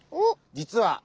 実は。